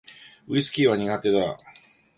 ウィスキーは苦手だ